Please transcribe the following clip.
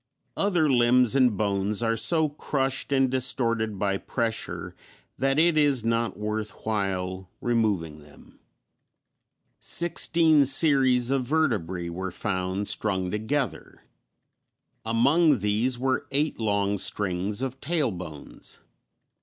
Other limbs and bones are so crushed and distorted by pressure that it is not worth while removing them. Sixteen series of vertebræ were found strung together; among these were eight long strings of tail bones.